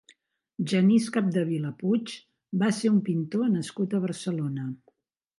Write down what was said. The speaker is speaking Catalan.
Genís Capdevila Puig va ser un pintor nascut a Barcelona.